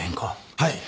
はい。